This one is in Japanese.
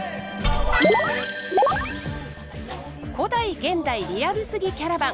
古代現代リアルすぎキャラバン。